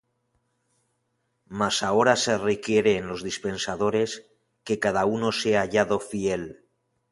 Mas ahora se requiere en los dispensadores, que cada uno sea hallado fiel.